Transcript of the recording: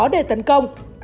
để tấn công